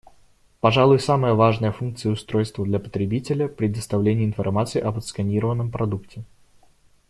Пожалуй, самая важная функция устройства для потребителя — предоставление информации об отсканированном продукте.